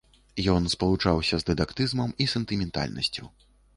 Ён спалучаўся з дыдактызмам і сентыментальнасцю.